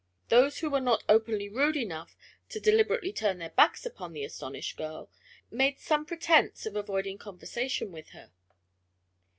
Those who were not openly rude enough to deliberately turn their backs upon the astonished girl, made some pretense of avoiding conversation with her.